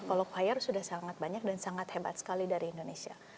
kalau fire sudah sangat banyak dan sangat hebat sekali dari indonesia